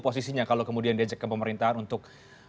posisinya kalau kemudian diajak ke pemerintahan untuk